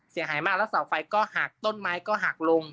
เสียหายมากแล้วเสาไฟก็หักต้นไม้ก็หักลง